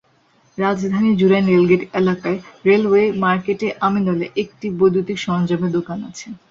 রাজধানীর জুরাইন রেলগেট এলাকায় রেলওয়ে মার্কেটে আমিনুলের একটি বৈদ্যুতিক সরঞ্জামের দোকান আছে।